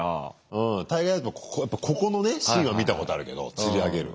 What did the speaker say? うん大概ここのねシーンは見たことあるけど釣り上げる。